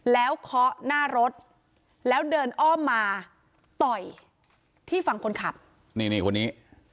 แล้วเคาะหน้ารถแล้วเดินอ้อมมาต่อยที่ฝั่งคนขับนี่นี่คนนี้